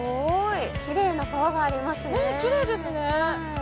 きれいな川がありますね。